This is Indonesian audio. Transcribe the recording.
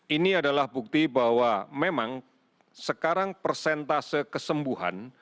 ini adalah bukti bahwa memang sekarang persentase kesembuhan